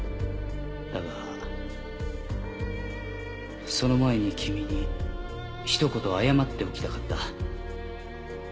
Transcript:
「だがその前に君にひと言謝っておきたかった」